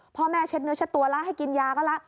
พ่อแม่เช็ดเนื้อเช็ดตัวแล้วให้กินยาก็ละ